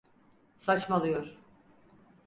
Saçmalıyor.